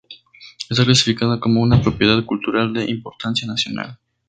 Está clasificada como una Propiedad Cultural de Importancia Nacional.